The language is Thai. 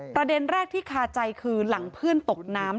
ประเด็นแรกที่คาใจคือหลังเพื่อนตกน้ำ